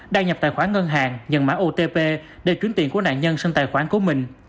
đăng nhập tài khoản ngân hàng nhận mã otp để chuyển tiền của nạn nhân sang tài khoản của mình